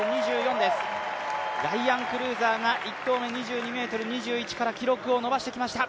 ライアン・クルーザーが１投目２２ｍ２１から記録を伸ばしてきました。